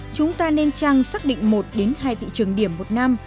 chúng ta nên trang xác định một hai thị trường điểm một năm